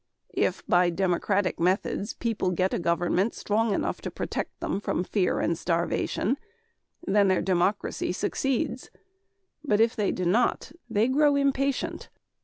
If by democratic methods people get a government strong enough to protect them from fear and starvation, their democracy succeeds, but if they do not, they grow impatient.